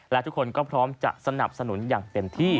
และทุกคนก็พร้อมจะสนับสนุนอย่างเต็มที่